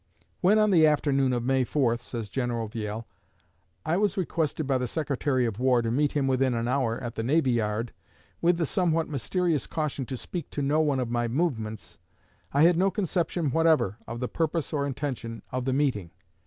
"When on the afternoon of May 4," says General Viele, "I was requested by the Secretary of War to meet him within an hour at the navy yard, with the somewhat mysterious caution to speak to no one of my movements, I had no conception whatever of the purpose or intention of the meeting.